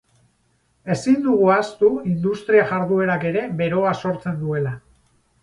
Ezin dugu ahaztu industria-jarduerak ere beroa sortzen duela.